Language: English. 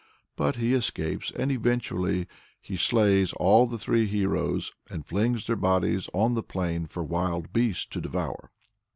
But he escapes, and eventually "he slays all the three heroes, and flings their bodies on the plain for wild beasts to devour."